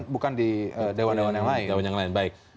bukan di dewan dewan yang lain